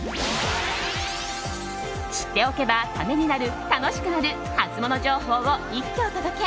知っておけばためになる、楽しくなるハツモノ情報を一挙お届け！